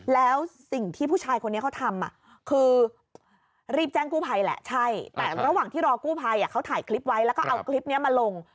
แล้วสิ่งที่ผู้ชายคนนี้เขาทำคือรีบแจ้งกู้ภัยแหละใช่แต่ระหว่างที่รอกู้ภัยเขาถ่ายคลิปไว้แล้วก็เอาคลิปนี้มาลง